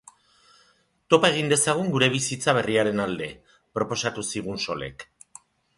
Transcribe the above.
Topa egin dezagun gure bizitza berriaren alde, proposatu zigun Solek.